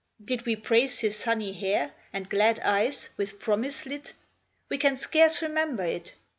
Did we praise his sunny hair And glad eyes, with promise lit? We can scarce remember it.